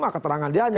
keterangan dia aja